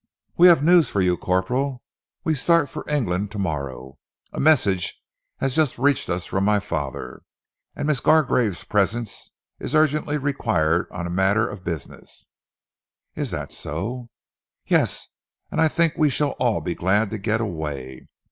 "We have news for you, Corporal. We start for England tomorrow. A message has just reached us from my father, and Miss Gargrave's presence is urgently required on a matter of business." "Is that so?" "Yes, and I think we shall all be glad to get away.